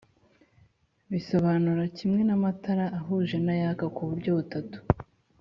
bisobanura kimwe n'amatara ahuje n'ayaka ku buryo butatu.